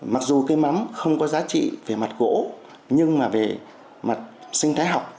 mặc dù cây mắm không có giá trị về mặt gỗ nhưng mà về mặt sinh thái học